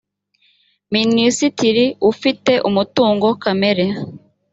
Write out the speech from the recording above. minisitiri ufite umutungo kamere